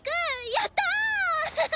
やった！